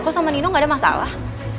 kok sama nino nggak ada masalah